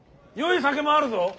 よい酒もあるぞ。